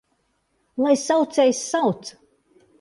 Lai saucējs sauc!